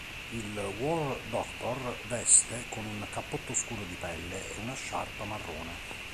Il War Doctor veste con un cappotto scuro di pelle e una sciarpa marrone.